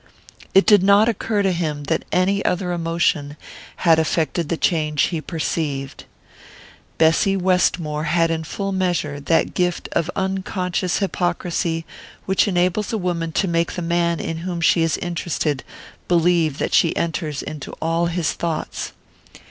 It did not occur to him that any other emotion had effected the change he perceived. Bessy Westmore had in full measure that gift of unconscious hypocrisy which enables a woman to make the man in whom she is interested believe that she enters into all his thoughts.